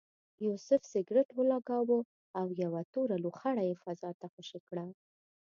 یوسف سګرټ ولګاوه او یوه توره لوخړه یې فضا ته خوشې کړه.